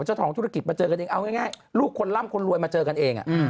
เจ้าของธุรกิจมาเจอกันเองเอาง่ายลูกคนล่ำคนรวยมาเจอกันเอง